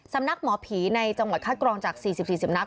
สำนักหมอผีในจังหวัดคัดกรองจาก๔๔สำนัก